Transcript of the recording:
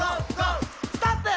「ストップ！」